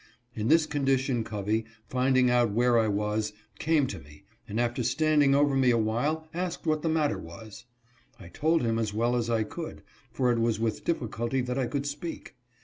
In this condition Covey, finding out where I was, came to me, and after standing over me a while asked what the matter was. I told him as well as I could, for it 'was with difficulty that I could speak.